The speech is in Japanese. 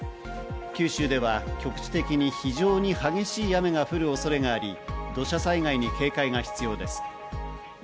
九州では局地的に非常に激しい雨が降るおそれがあり、土砂災害に警戒が必要です。